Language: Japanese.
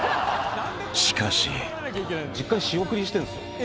［しかし］実家に仕送りしてんすよ。